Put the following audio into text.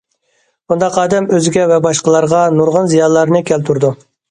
بۇنداق ئادەم ئۆزىگە ۋە باشقىلارغا نۇرغۇن زىيانلارنى كەلتۈرىدۇ.